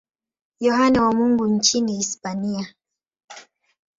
Yohane wa Mungu nchini Hispania.